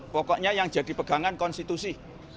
pokoknya yang jadi pegangan konstitusi